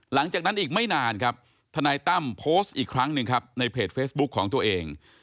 หลังจากนั้นอีกไม่นานครับทนายตั้มโพสต์อีกครั้งหนึ่งครับในเพจเฟซบุ๊คของตัวเอง